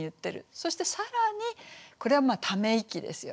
そして更にこれはため息ですよね。